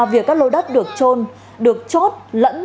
việc các lô đất được trôn được chốt lẫn